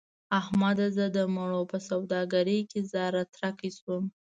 احمده! زه د مڼو په سوداګرۍ کې زهره ترکی شوم.